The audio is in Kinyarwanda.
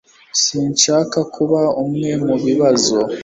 Sinshaka kuba umwe mubibazo.